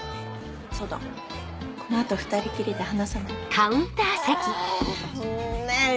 そうだこの後２人きりで話さない？